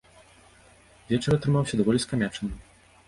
Вечар атрымаўся даволі скамячаным.